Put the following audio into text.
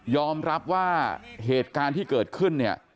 อมรับว่าเหตุการณ์ที่เกิดขึ้นเนี่ย